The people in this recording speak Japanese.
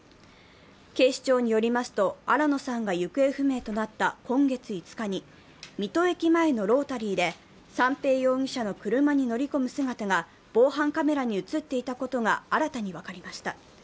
警視庁によりますと、新野さんが行方不明となった今月５日に水戸駅前のロータリーで三瓶容疑者の車に乗り込む姿が防犯カメラに映っていたことが新たに分かりました。